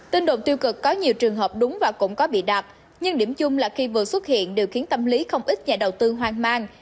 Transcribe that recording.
tin đồn tiêu cực có nhiều trường hợp đúng và cũng có bịa đặt nhưng điểm chung là khi vừa xuất hiện đều khiến tâm lý không ít nhà đầu tư hoang mang